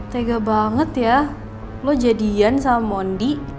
tega banget ya lo jadi ian sama mondi